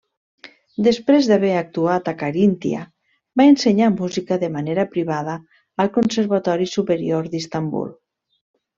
Després d'haver actuat a Caríntia, va ensenyar música de manera privada al Conservatori Superior d'Istanbul.